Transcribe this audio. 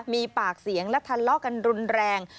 มีปากเสียงและทะเลาะกันรุนแรง